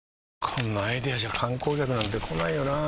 こんなアイデアじゃ観光客なんて来ないよなあ